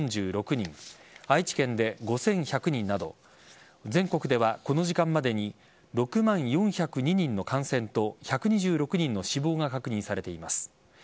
愛知県で５１００人など全国ではこの時間までに６万４０２人の感染と１２６人の死亡が確認されています。